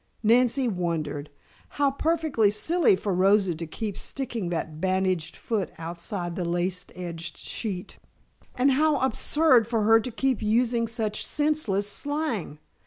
Nancy wondered. How perfectly silly for Rosa to keep sticking that bandaged foot outside the lace edged sheet. And how absurd for her to keep using such senseless slang!